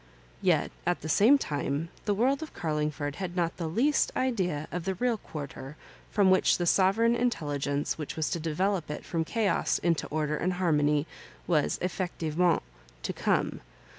Yet, at the same time, the world of Carling ford had not the least idea of the real quarter from which the sovereign intelligence which was to develop it from chaos into order and haj> mony was, effiectivementi to come.